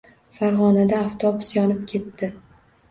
Farg‘onada avtobus yonib ketdi